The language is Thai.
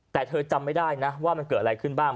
แต่เธอจำไม่ได้นะว่ามันเกิดอะไรขึ้นบ้าง